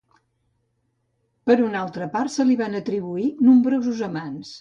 Per una altra part, se li van atribuir nombrosos amants.